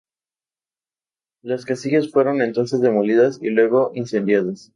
Las casillas fueron entonces demolidas y luego incendiadas.